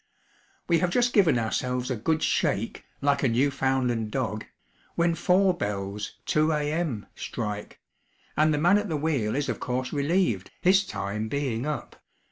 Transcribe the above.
We have just given ourselves a good shake, like a Newfoundland dog, when four bells (2 A.M.) strike, and the man at the wheel is of course relieved, his time being up.